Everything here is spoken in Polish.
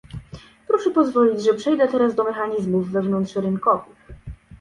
Proszę pozwolić, że przejdę teraz do mechanizmów wewnątrzrynkowych